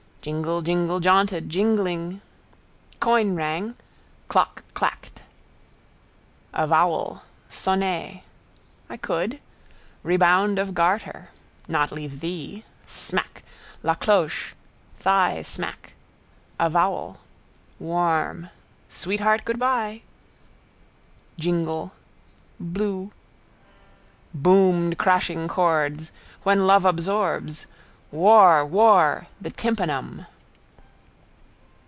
Jingle jingle jaunted jingling. Coin rang. Clock clacked. Avowal. Sonnez. I could. Rebound of garter. Not leave thee. Smack. La cloche! Thigh smack. Avowal. Warm. Sweetheart, goodbye! Jingle. Bloo. Boomed crashing chords. When love absorbs. War! War! The tympanum.